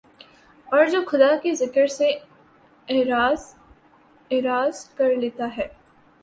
اور جو خدا کے ذکر سے اعراض کر لیتا ہے